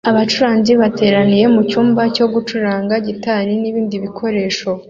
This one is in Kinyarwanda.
Abacuranzi bateranira mu cyumba cyo gucuranga gitari n'ibindi bikoresho